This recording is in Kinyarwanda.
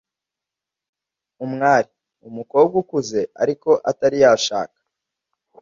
Umwari: umukobwa ukuze ariko atari yashaka